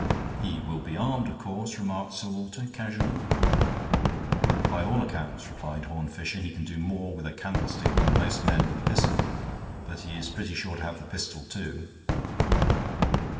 "He will be armed, of course," remarked Sir Walter, casually. "By all accounts," replied Horne Fisher, "he can do more with a candlestick than most men with a pistol. But he is pretty sure to have the pistol, too."